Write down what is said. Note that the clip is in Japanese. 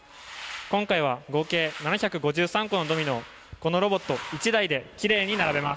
今回は合計７５３個のドミノをこのロボット１台できれいに並べます。